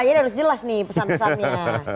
akhirnya harus jelas nih pesan pesannya